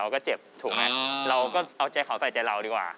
ก็เจ็บถูกไหมเราก็เอาใจเขาใส่ใจเราดีกว่า